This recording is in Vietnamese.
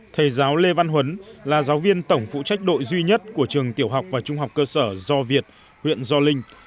thầy giáo lê văn huấn là giáo viên tổng phụ trách đội duy nhất của trường tiểu học và trung học cơ sở do việt huyện gio linh